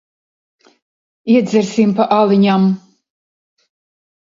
Iedzersim pa aliņam.